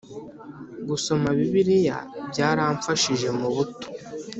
Gusoma bibiliya byaramfashije mubuto